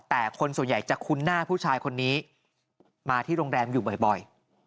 แต่คนส่วนใหญ่จะคุ้นหน้าผู้ชายคนนี้มาที่โรงแรมอยู่บ่อย